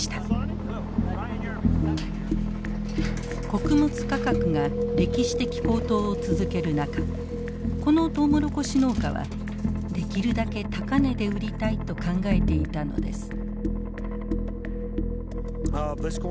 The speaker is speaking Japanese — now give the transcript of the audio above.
穀物価格が歴史的高騰を続ける中このトウモロコシ農家はできるだけ高値で売りたいと考えていたのです。